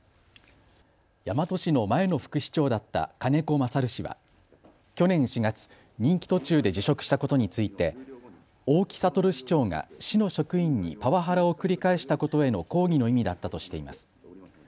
大和市の前の副市長だった金子勝氏は去年４月、任期途中で辞職したことについて大木哲市長が市の職員にパワハラを繰り返したことへの抗議の意味だったとしています。